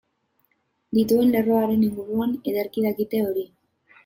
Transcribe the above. Dituen lerroaren inguruan ederki dakite hori.